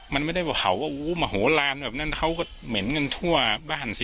มันไม่ได้ว่าเขาว่ามโหลานแบบนั้นเขาก็เหม็นกันทั่วบ้านสิ